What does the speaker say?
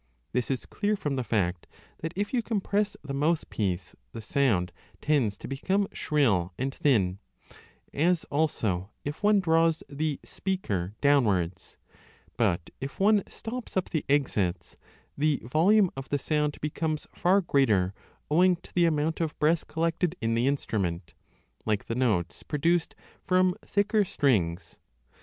This is clear from the fact that if you compress the mouthpiece the sound tends to become shrill and thin, as also if one draws the speaker down wards; l but if one stops up the exits, the volume of the sound becomes far greater owing to the amount of breath collected I5 in the instrument, like the notes produced from thicker strings.